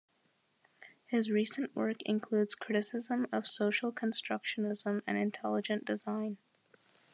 His recent work includes criticism of social constructionism and intelligent design.